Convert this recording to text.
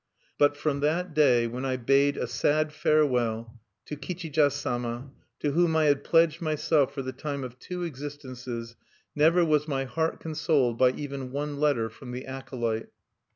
"But from that day when I bade a sad farewell to Kichiza Sama, to whom I had pledged myself for the time of two existences, never was my heart consoled by even one letter from the acolyte.